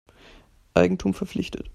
Eigentum verpflichtet.